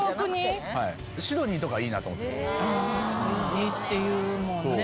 いいっていうもんね。